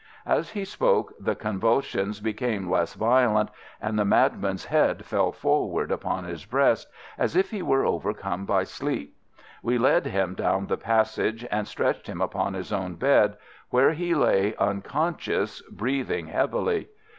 As he spoke the convulsions became less violent, and the madman's head fell forward upon his breast, as if he were overcome by sleep. We led him down the passage and stretched him upon his own bed, where he lay unconscious, breathing heavily.